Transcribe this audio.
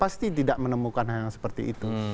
pasti tidak menemukan hal yang seperti itu